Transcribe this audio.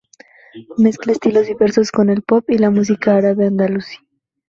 Mezcla estilos diversos como el pop y la música árabe-andalusí.